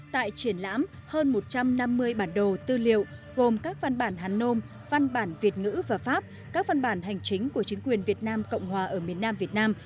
tại triển lãm hơn một trăm năm mươi bản đồ tư liệu gồm các văn bản hàn nôm văn bản việt ngữ và pháp các văn bản hành chính của chính quyền việt nam cộng hòa ở miền nam việt nam